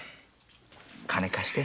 金貸して。